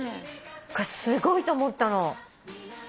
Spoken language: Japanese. これすごいと思ったの。